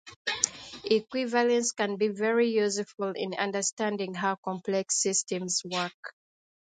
Equivalence can be very useful in understanding how complex systems work.